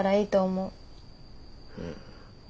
うん。